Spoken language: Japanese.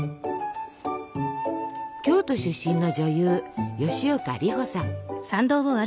京都出身の女優吉岡里帆さん。